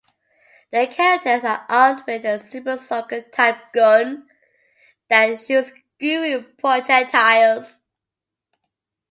The characters are armed with a Super Soaker-type gun that shoots gooey projectiles.